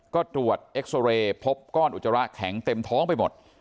ก็ตรวจเอ็กซอเรย์พบก้อนอุจจาระแข็งเต็มท้องไปหมด